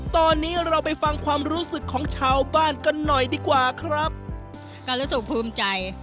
ตอนนี้เราไปฟังความรู้สึกของชาวบ้านกันหน่อยดีกว่าครับก็รู้สึกภูมิใจ